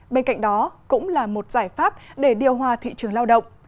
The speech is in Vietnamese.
bên cạnh đó cũng là một giải pháp để điều hòa thị trường lao động